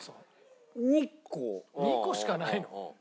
２個しかないの？